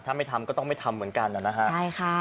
ถ้าไม่ทำก็ต้องไม่ทำเหมือนกันนะฮะใช่ค่ะ